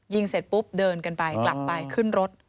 เสร็จปุ๊บเดินกันไปกลับไปขึ้นรถ